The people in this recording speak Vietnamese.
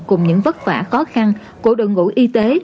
cùng những vất vả khó khăn của đội ngũ y tế